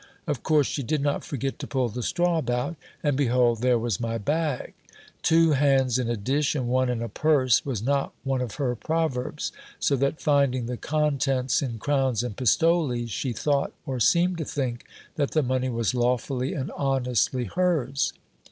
Of course she did not forget to pull the straw about ; and behold, there was my bag ! Two hands in a dish and one in a purse, was not one of her proverbs ; so that finding the contents in crowns and pistoles, she thought, or seemed to think, that the money was lawfully and honestly hers.